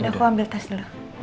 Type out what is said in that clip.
dan aku ambil tas dulu